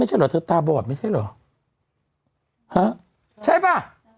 ไม่ใช่หรอเธอตาบอดไม่ใช่เหรอค่ะใช่ป่ะ